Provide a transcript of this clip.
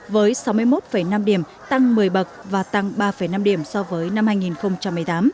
với sáu mươi một năm điểm tăng một mươi bậc và tăng ba năm điểm so với năm hai nghìn một mươi tám